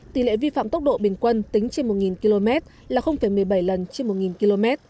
tỷ lệ vi phạm tốc độ bình quân tính trên một km là một mươi bảy lần trên một km